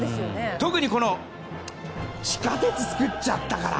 特に地下鉄造っちゃったから。